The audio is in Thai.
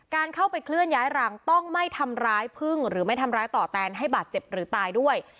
การเข้าไปเคลื่อนย้ายรังต้องไม่ทำร้ายพึ่งหรือไม่ทำร้ายต่อแตนให้บาดเจ็บหรือตายด้วย